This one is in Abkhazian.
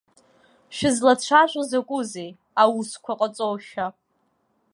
Шәызлацәажәо закәызеи аусқәа ҟаҵоушәа!